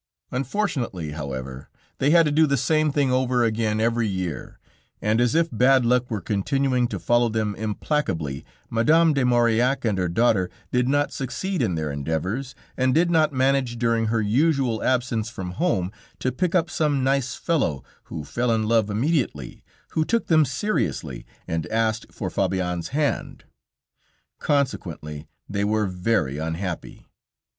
Unfortunately, however, they had to do the same thing over again every year, and as if bad luck were continuing to follow them implacably, Madame de Maurillac and her daughter did not succeed in their endeavors, and did not manage during her usual absence from home, to pick up some nice fellow who fell in love immediately, who took them seriously, and asked for Fabienne's hand, consequently, they were very unhappy.